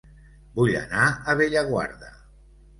Vull anar a Bellaguarda